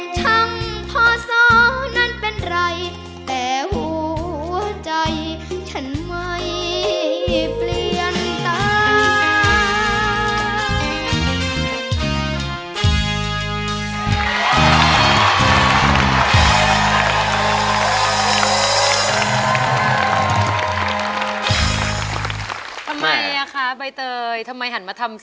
ช่างพอสอนั้นเป็นไรแต่หัวใจฉันไม่เปลี่ยนตา